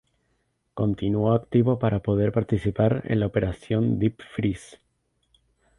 Continuó activo para poder participar en la Operación Deep Freeze.